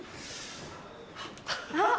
あっ！